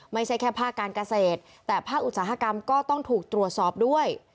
ไม่ใช่แค่ภาคการเกษตรแต่ภาคอุตสาหกรรมก็ต้องถูกตรวจสอบด้วย